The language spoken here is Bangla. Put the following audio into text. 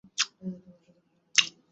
তিনি লাভ করতে সক্ষম হন।